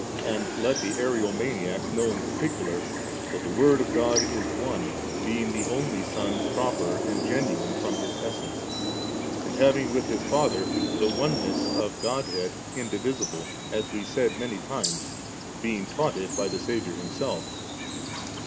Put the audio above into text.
And let the Ario maniacs know in particular, that the Word of God is One, being the only Son proper and fenuine from His Essence^ and having with lis Father the oneness of Godhead indivisible, as we said many times, being taught it by the Saviour Himself.